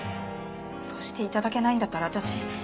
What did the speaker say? そうして頂けないんだったら私。